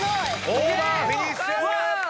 オーバーフィニッシュ！